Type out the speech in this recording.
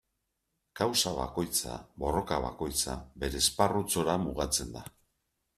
Kausa bakoitza, borroka bakoitza, bere esparrutxora mugatzen da.